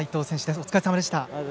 お疲れさまでした。